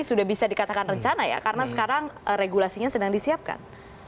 sudah bisa dikatakan rencana ya karena sekarang regulasinya sedang disiapkan